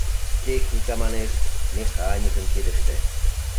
— Техника, манеш, механикын кидыште.